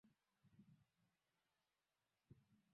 kati ya hizo Kilomita za Mraba